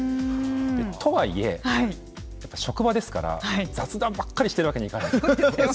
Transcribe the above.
とはいえ職場ですから雑談ばかりしているわけにはいかないです。